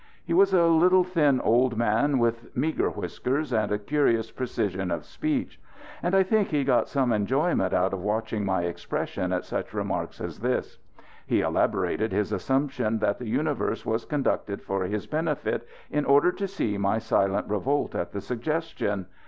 He was a little, thin, old man with meager whiskers and a curious precision of speech; and I think he got some enjoyment out of watching my expression at such remarks as this. He elaborated his assumption that the universe was conducted for his benefit, in order to see my silent revolt at the suggestion.